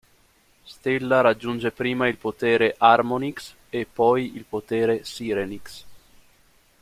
Stella raggiunge prima il potere "Harmonix" e poi il potere "Sirenix".